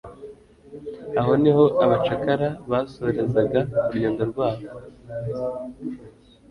Aho ni ho abacakara basorezaga urugendo rwabo